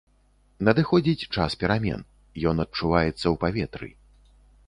Надыходзіць час перамен, ён адчуваецца ў паветры.